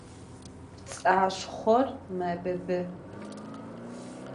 Pts'aşşxhor mebıbı.